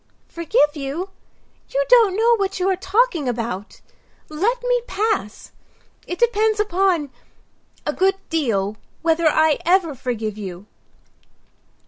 "Forgive you! You don't know what you are talking about. Let me pass. It depends upon—a good deal whether I ever forgive you."